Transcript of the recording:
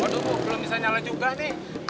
aduh bu belum bisa nyala juga nih